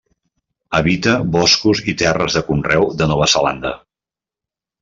Habita boscos i terres de conreu de Nova Zelanda.